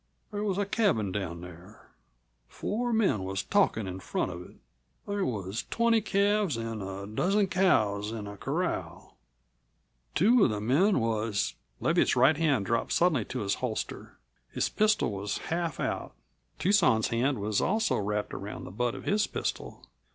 There was a cabin down there. Four men was talkin' in front of it. There was twenty calves an' a dozen cows in a corral. Two of the men was " Leviatt's right hand dropped suddenly to his holster. His pistol was half out. Tucson's hand was also wrapped around the butt of his pistol.